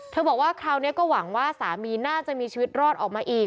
บอกว่าคราวนี้ก็หวังว่าสามีน่าจะมีชีวิตรอดออกมาอีก